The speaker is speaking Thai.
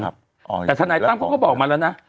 แต่ทนายตั้มเขาก็บอกมาแล้วนะ